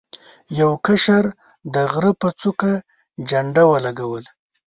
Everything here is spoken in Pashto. یو کشر د غره په څوکه جنډه ولګوله.